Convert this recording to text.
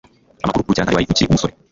Amakuru Rukerantare wari ukiri umusore